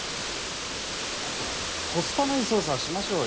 もっとコスパのいい捜査をしましょうよ。